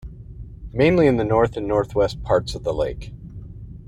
Mainly in the north and northwest parts of the lake.